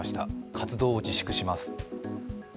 活動を自粛します。